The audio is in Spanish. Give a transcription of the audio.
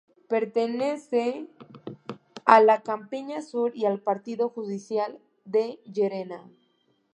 Pertenece a la de Campiña Sur y al partido judicial de Llerena.